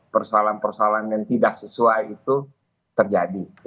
persoalan persoalan yang tidak sesuai itu terjadi